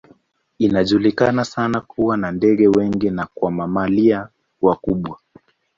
Inajulikana sana kwa kuwa na ndege wengi na kwa mamalia wakubwa.